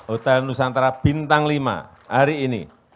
hotel nusantara bintang lima hari ini